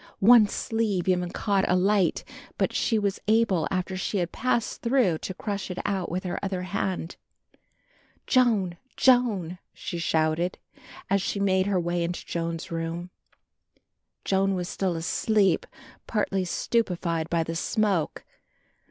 One sleeve even caught alight, but she was able after she had passed through to crush it out with her other hand. "Joan, Joan," she shouted, as she made her way into Joan's room. Joan was still asleep, partly stupified by the smoke.